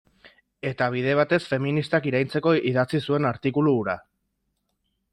Eta bide batez, feministak iraintzeko idatzi zuen artikulu hura.